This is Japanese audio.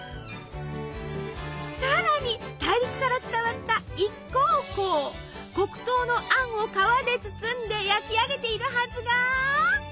さらに大陸から伝わった黒糖のあんを皮で包んで焼き上げているはずが。